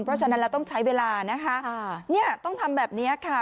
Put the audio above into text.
เพราะฉะนั้นเราต้องใช้เวลานะคะเนี่ยต้องทำแบบนี้ค่ะ